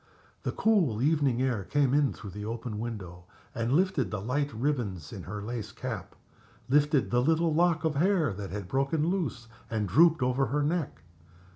The cool evening air came in through the open window and lifted the light ribbons in her lace cap, lifted the little lock of hair that had broken loose and drooped over her neck.